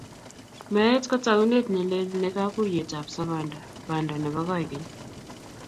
Meet ko taunet ne lel ne kaguiyetab sobondo, banda nebo koikeny.